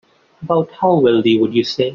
About how wealthy would you say?